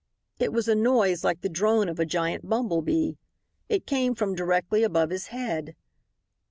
It was a noise like the drone of a giant bumble bee. It came from directly above his head.